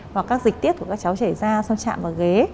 hoặc các dịch tiết của các cháu chảy ra sau chạm vào ghế